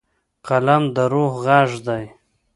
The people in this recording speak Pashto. قلم د روح غږ دی.